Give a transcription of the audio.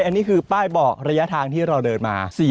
อันนี้คือป้ายบอกระยะทางที่เราเดินมา